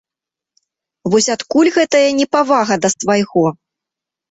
Вось адкуль гэтая непавага да свайго?